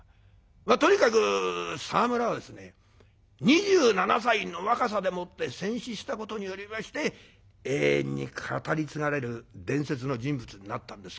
まあとにかく沢村はですね２７歳の若さでもって戦死したことによりまして永遠に語り継がれる伝説の人物になったんですけども。